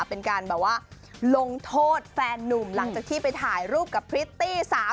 เป็นการแบบว่าลงโทษแฟนนุ่มหลังจากที่ไปถ่ายรูปกับพริตตี้สาว